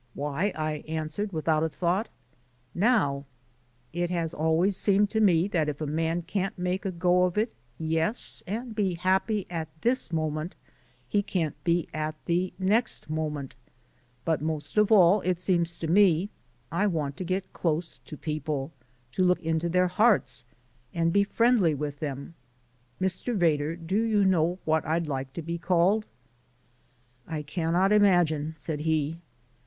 'Why,' I answered without a thought, 'Now.' It has always seemed to me that if a man can't make a go of it, yes, and be happy at this moment, he can't be at the next moment. But most of all, it seems to me, I want to get close to people, to look into their hearts, and be friendly with them. Mr. Vedder, do you know what I'd like to be called?" "I cannot imagine," said he.